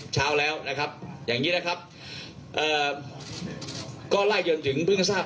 เช้าแล้วนะครับอย่างนี้นะครับเอ่อก็ไล่จนถึงเพิ่งทราบ